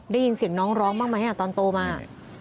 ได้ยินเสียงน้องร้องบ้างไหมตอนโตมา